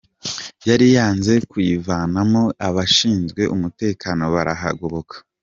Yari yanze kuyivamo abashinzwe umutekano barahagoboka.